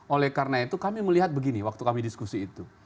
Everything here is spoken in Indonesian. oleh karena itu kami melihat begini waktu kami diskusi itu